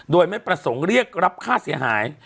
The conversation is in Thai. โดยไม่ประสงค์เรียกรับค่าเสียหาย